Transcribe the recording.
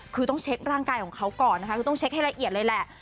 คือต้องเช็คร่างกายของเขาก่อนนะคะคือต้องเช็คให้ละเอียดเลยแหละ